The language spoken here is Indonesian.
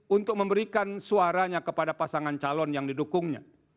untuk memberikan suaranya kepada pasangan calon yang didukungnya